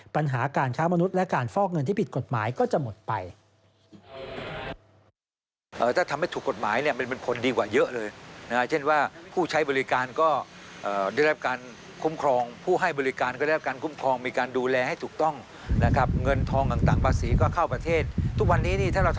ปัญหาการค้ามนุษย์และการฟอกเงินที่ผิดกฎหมายก็จะหมดไป